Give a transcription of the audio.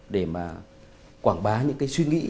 để mà quảng bá những cái suy nghĩ